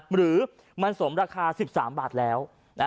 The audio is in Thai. หรือมันสมราคา๑๓บาทแล้ว